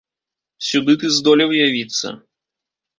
Сюды ты здолеў явіцца.